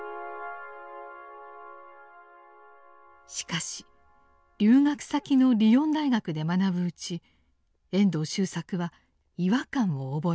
しかし留学先のリヨン大学で学ぶうち遠藤周作は違和感を覚え始めます。